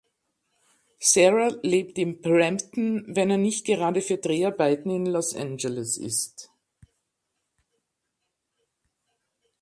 Cera lebt in Brampton, wenn er nicht gerade für Dreharbeiten in Los Angeles ist.